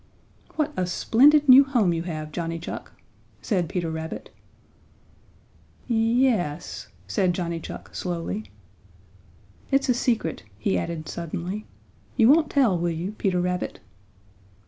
"What a splendid new home you have, Johnny Chuck!" said Peter Rabbit. "Y e s," said Johnny Chuck, slowly. "It's a secret," he added suddenly. "You won't tell, will you, Peter Rabbit?"